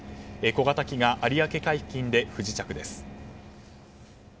小型機が有明海付近で不時着です。